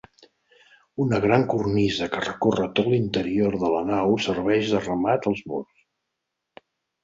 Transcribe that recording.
Una gran cornisa que recorre tot l'interior de la nau serveix de remat als murs.